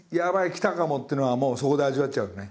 きたかもっていうのはもうそこで味わっちゃうのね。